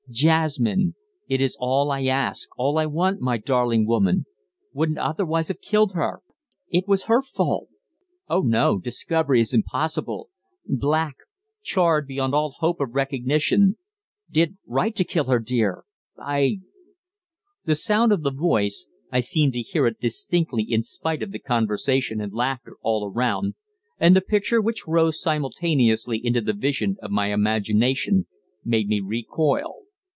"Jasmine ... it is all I ask, all I want, my darling woman ... wouldn't otherwise have killed her ... it was her fault ... oh, no, discovery is impossible ... black, charred beyond all hope of recognition ... did right to kill her, dear, I ..." The sound of the voice I seemed to hear it distinctly in spite of the conversation and laughter all around and the picture which rose simultaneously into the vision of my imagination, made me recoil.